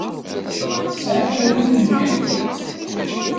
Tesεiḍ kra n tenfilt?